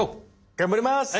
頑張ります！